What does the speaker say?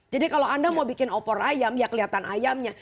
jadi kalau anda mau bikin opor ayam ya kelihatan ayamnya